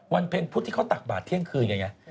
วันเพ็งพุทธที่เขาตักบาดเที่ยงคืนอย่างนี้